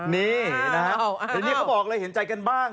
นี่นะฮะทีนี้เขาบอกเลยเห็นใจกันบ้าง